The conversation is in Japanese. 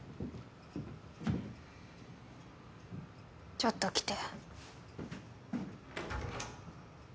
ちょっと来て。